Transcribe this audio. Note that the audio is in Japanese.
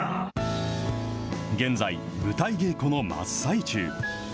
現在、舞台稽古の真っ最中。